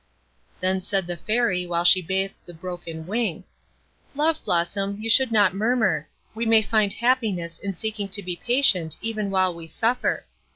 Then said the Fairy, while she bathed the broken wing,— "Love Blossom, you should not murmur. We may find happiness in seeking to be patient even while we suffer.